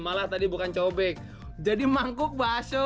malah tadi bukan cobek jadi mangkuk baso